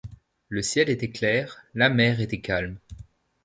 Le ciel était clair, la mer était calme.